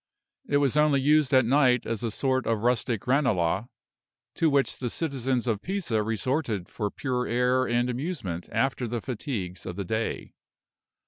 It was only used at night as a sort of rustic Ranelagh, to which the citizens of Pisa resorted for pure air and amusement after the fatigues of the day.